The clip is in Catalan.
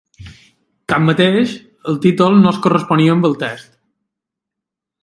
Tanmateix, el títol no es corresponia amb el text.